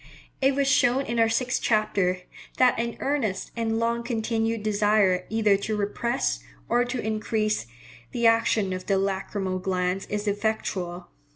It was shown in our sixth chapter, that an earnest and long continued desire either to repress, or to increase, the action of the lacrymal glands is effectual.